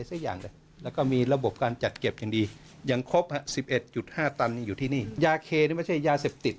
สรุปแล้วว่าสารพวกนี้เหมือนกับที่ไต้หวันจับ